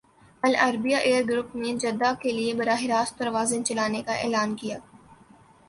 العربیہ air group نے Jeddah کے لیے براہ راست پروازیں چلانے کا اعلان کیا ہے